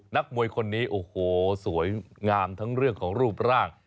นักมวยคนนี้โอ้โหสวยงามทั้งเรื่องของรูปร่าง